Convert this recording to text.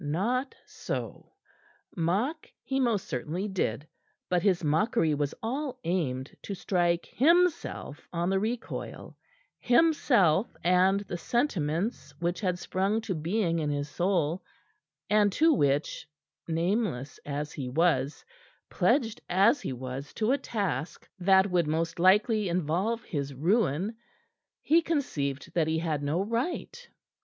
Not so. Mock he most certainly did; but his mockery was all aimed to strike himself on the recoil himself and the sentiments which had sprung to being in his soul, and to which nameless as he was, pledged as he was to a task that would most likely involve his ruin he conceived that he had no right.